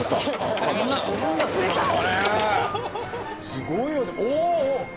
すごいよねお！